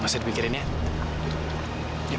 masih dipikirin ya